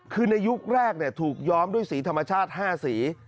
คือในยุคแรกถูกย้อมด้วยสีธรรมชาติ๕สี